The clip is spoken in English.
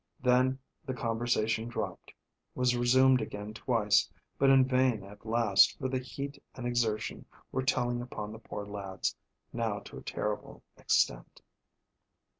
Then the conversation dropped, was resumed again twice, but in vain at last, for the heat and exertion were telling upon the poor lads now to a terrible extent.